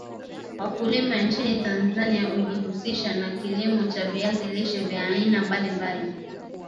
Wakulima nchini Tanzania ujihusisha na kilimo cha viazi lishe vya aina mbali mbali